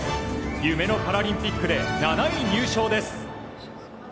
夢のパラリンピックで７位入賞です。